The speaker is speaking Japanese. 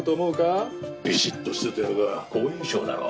ビシッとしてたほうが好印象だろ？